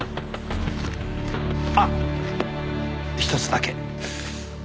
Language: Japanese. あっひとつだけ。